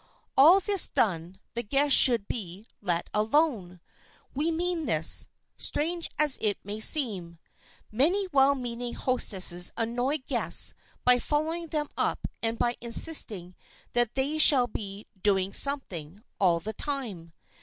All this done, the guest should be let alone! We mean this, strange as it may seem. Many well meaning hostesses annoy guests by following them up and by insisting that they shall be "doing something" all the time.